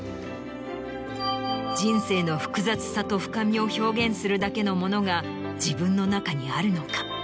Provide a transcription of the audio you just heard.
人生の複雑さと深みを表現するだけのものが自分の中にあるのか？